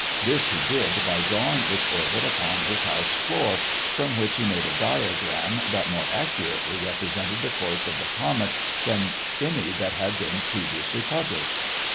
This he did by drawing its orbit upon his house floor, from which he made a diagram that more accurately represented the course of the comet than any that had been previously published.